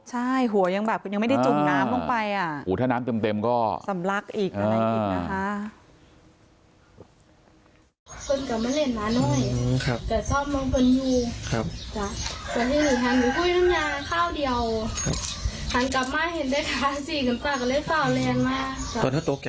ใช่หัวยังแบบคุณยังไม่ได้จมน้ำลงไปอ่ะถ้าน้ำเต็มก็สำลักอีกอะไรอย่างนี้นะคะ